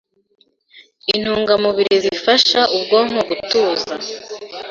intungamubiri zifasha ubwonko gutuza